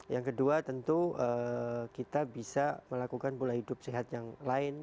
yang kedua tentu kita bisa melakukan pola hidup sehat yang lain